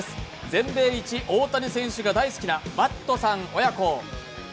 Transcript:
全米イチ大谷選手が大好きなマットさん親子。